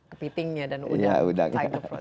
kepitingnya dan udang